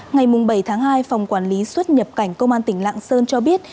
ngày bảy tháng hai phòng quản lý xuất nhập cảnh công an tỉnh lạng sơn cho biết